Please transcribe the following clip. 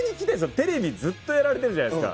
テレビずっとやられてるじゃないですか。